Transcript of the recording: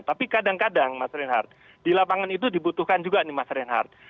tapi kadang kadang mas reinhardt di lapangan itu dibutuhkan juga nih mas reinhardt